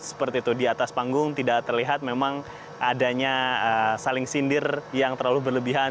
seperti itu di atas panggung tidak terlihat memang adanya saling sindir yang terlalu berlebihan